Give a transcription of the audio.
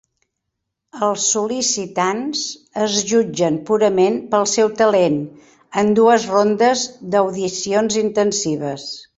Els sol·licitants es jutgen purament pel seu talent en dues rondes d'audicions intensives.